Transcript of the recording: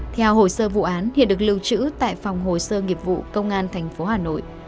theo hồ sơ vụ án hiện được lưu trữ tại phòng hồ sơ nghiệp vụ công an tp hà nội